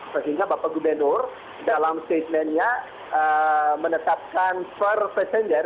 sehingga bapak gubernur dalam statement nya menetapkan per passenger